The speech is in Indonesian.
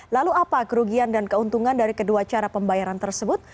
lalu apa kerugian dan keuntungan dari kedua cara pembayaran tersebut